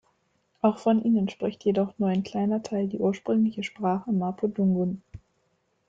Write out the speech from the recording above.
Auch von ihnen spricht jedoch nur noch ein kleiner Teil die ursprüngliche Sprache Mapudungun.